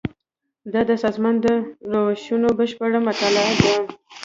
دا د سازمان د روشونو بشپړه مطالعه ده.